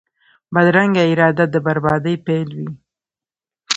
بدرنګه اراده د بربادۍ پیل وي